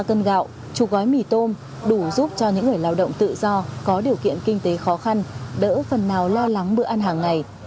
ba cân gạo chuộc gói mì tôm đủ giúp cho những người lao động tự do có điều kiện kinh tế khó khăn đỡ phần nào lo lắng bữa ăn hàng ngày